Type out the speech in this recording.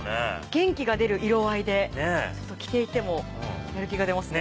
元気が出る色合いで着ていてもやる気が出ますね。